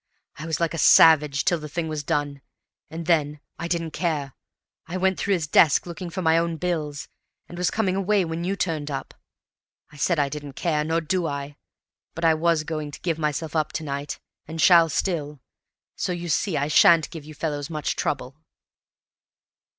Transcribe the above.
I was like a savage till the thing was done. And then I didn't care. I went through his desk looking for my own bills, and was coming away when you turned up. I said I didn't care, nor do I; but I was going to give myself up to night, and shall still; so you see I sha'n't give you fellows much trouble!"